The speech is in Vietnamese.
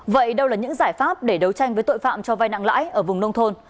vậy đâu là những giải pháp để đấu tranh với tội phạm cho vai nặng lãi ở vùng nông thôn